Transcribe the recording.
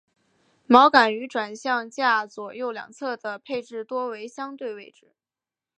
锚杆于转向架左右两侧的配置多为相对位置。